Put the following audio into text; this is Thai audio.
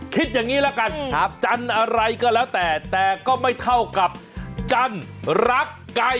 คิดอย่างนี้ละกันหากจันทร์อะไรก็แล้วแต่แต่ก็ไม่เท่ากับจันทร์รักไก่